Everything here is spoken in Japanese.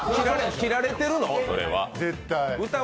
切られてるの、それは。